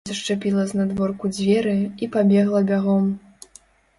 Яна зашчапіла знадворку дзверы і пабегла бягом.